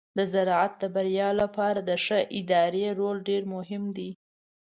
د زراعت د بریا لپاره د ښه ادارې رول ډیر مهم دی.